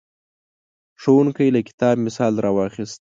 ښوونکی له کتاب مثال راواخیست.